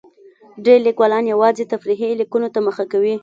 ډېری لیکوالان یوازې تفریحي لیکنو ته مخه کوي.